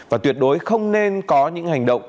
và tuyệt đối không nên có những hành động